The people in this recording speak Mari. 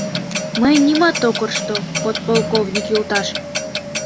— Мыйын нимат ок коршто, подполковник йолташ!